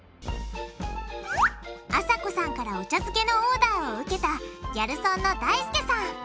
あさこさんからお茶漬けのオーダーを受けたギャルソンのだいすけさん。